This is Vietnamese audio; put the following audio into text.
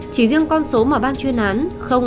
chỉ riêng con số mà ban chuyên án